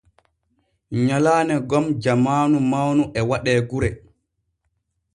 Nyalaane gom jamaanu mawnu e waɗe gure.